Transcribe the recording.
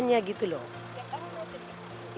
jadi tidak begitu mengantri kita